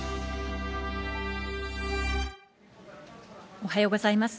⁉おはようございます。